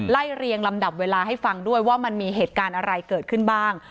เรียงลำดับเวลาให้ฟังด้วยว่ามันมีเหตุการณ์อะไรเกิดขึ้นบ้าง